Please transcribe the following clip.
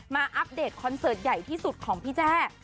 อัปเดตคอนเสิร์ตใหญ่ที่สุดของพี่แจ้